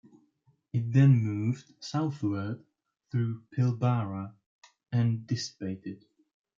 It then moved southward through Pilbara and dissipated.